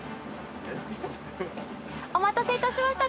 お待たせいたしました。